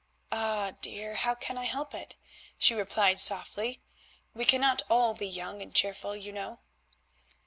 "Ah! dear, how can I help it?" she replied softly; "we cannot all be young and cheerful, you know."